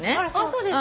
そうですか。